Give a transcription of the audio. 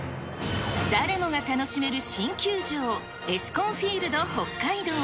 誰もが楽しめる新球場、エスコンフィールドホッカイドウ。